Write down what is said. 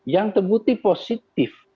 yang terbukti positif